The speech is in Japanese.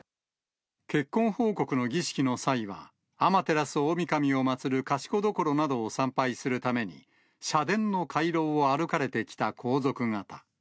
結婚報告の儀式の際は、天照大神を祭る賢所などを参拝するために、社殿の回廊を歩かれてきた皇族方。